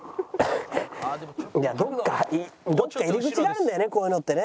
どっかどっか入り口があるんだよねこういうのってね。